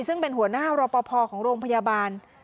ซึ่งเป็นหัวหน้ารอปภของโรงพยาบาล